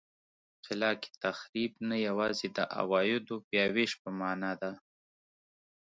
خلاق تخریب نه یوازې د عوایدو بیا وېش په معنا ده.